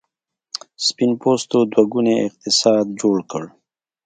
سپین پوستو دوه ګونی اقتصاد جوړ کړ.